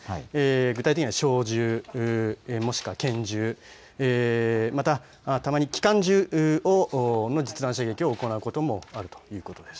具体的には小銃、もしくは拳銃、またたまに機関銃の実弾射撃を行うこともあるということです。